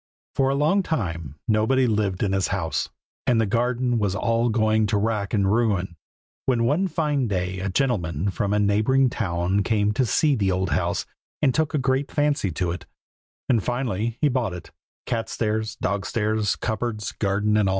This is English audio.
For a long time nobody lived in his house, and the garden was all going to rack and ruin, when one fine day a gentleman from a neighboring town came to see the old house and took a great fancy to it; and finally he bought it, cat stairs, dog stairs, cupboards, garden and all.